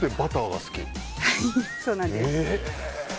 はい、そうなんです。